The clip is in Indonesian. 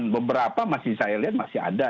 beberapa masih saya lihat masih ada